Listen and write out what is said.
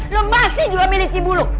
lu masih juga milih si buluk